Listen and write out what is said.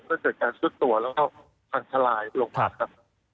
ก็เกิดการซุดตัวแล้วก็พังทลายลงมาครับ